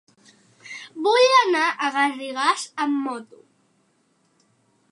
Vull anar a Garrigàs amb moto.